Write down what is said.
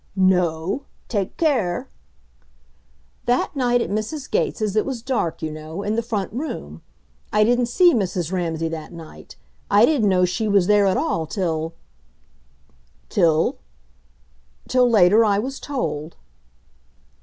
"No? Take care!" "That night at Mrs. Gates' it was dark, you know, in the front room. I didn't see Mrs. Ramsay that night. I didn't know she was there at all till " "Till?" "Till later I was told."